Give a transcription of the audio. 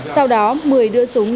sau đó một mươi đứa súng